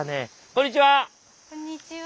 こんにちは！